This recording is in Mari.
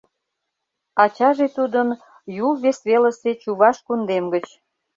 Ачаже тудын — Юл вес велысе чуваш кундем гыч.